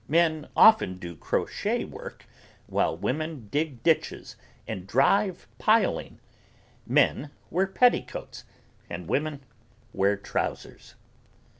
Men often do crochet work while women dig ditches and drive piling. Men wear petticoats and women wear trousers.